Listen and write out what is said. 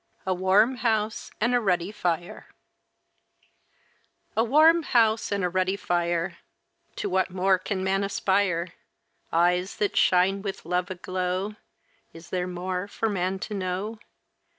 A WARM HOUSE AND A RUDDY FIRE A warm house and a ruddy fire, To what more can man aspire? Eyes that shine with love aglow, Is there more for man to know?